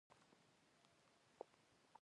بالاخره ده هم یوه قبضه ږیره پرېښوده.